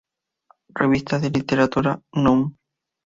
Revista de Literatura", núm.